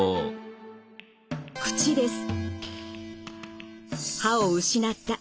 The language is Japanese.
口です。